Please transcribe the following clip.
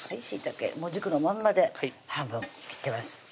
しいたけ軸のまんまで半分切ってます